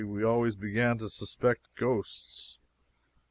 We always began to suspect ghosts.